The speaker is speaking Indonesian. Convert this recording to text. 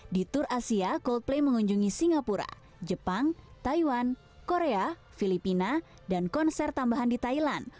di tour asia coldplay mengunjungi singapura jepang taiwan korea filipina dan konser tambahan di thailand